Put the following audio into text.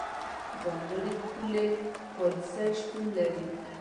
ځانګړې پولي پالیسۍ شتون نه لري.